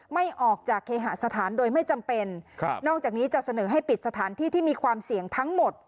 ไม่ออกจากเคหสถานโดยไม่จำเป็นครับนอกจากนี้จะเสนอให้ปิดสถานที่ที่มีความเสี่ยงทั้งหมด